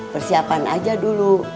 persiapan aja dulu